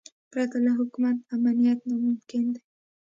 پرته له حکومت امنیت ناممکن دی.